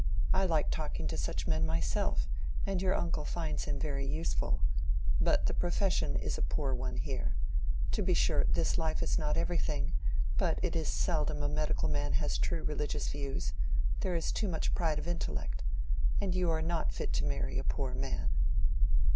I like talking to such men myself; and your uncle finds him very useful. But the profession is a poor one here. To be sure, this life is not everything; but it is seldom a medical man has true religious views—there is too much pride of intellect. And you are not fit to marry a poor man.